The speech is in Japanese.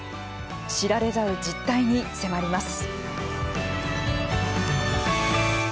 知られざる実態に迫ります。